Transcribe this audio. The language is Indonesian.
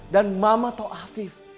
dan mama tau afif